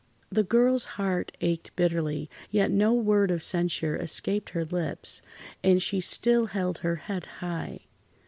The girl's heart ached bitterly, yet no word of censure escaped her lips, and she still held her head high.